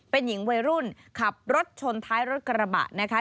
เป็นหญิงวัยรุ่นขับรถชนท้ายรถกระบะนะคะ